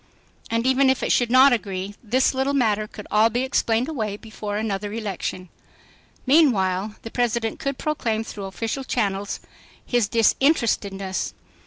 And even if it should not agree, this little matter could all be explained away before another election. Meanwhile the President could proclaim through official channels his disinterestedness.